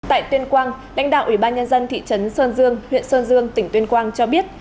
tại tuyên quang lãnh đạo ủy ban nhân dân thị trấn sơn dương huyện sơn dương tỉnh tuyên quang cho biết